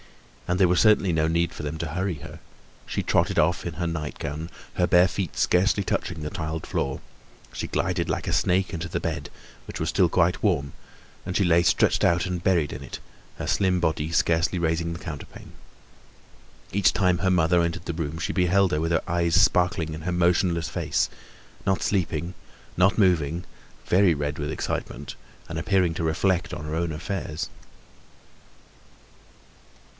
And there was certainly no need for them to hurry her. She trotted off in her night gown, her bare feet scarcely touching the tiled floor; she glided like a snake into the bed, which was still quite warm, and she lay stretched out and buried in it, her slim body scarcely raising the counterpane. Each time her mother entered the room she beheld her with her eyes sparkling in her motionless face—not sleeping, not moving, very red with excitement, and appearing to reflect on her own affairs.